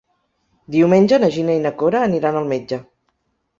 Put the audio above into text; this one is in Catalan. Diumenge na Gina i na Cora aniran al metge.